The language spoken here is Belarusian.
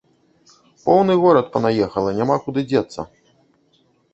Поўны горад панаехала, няма куды дзецца.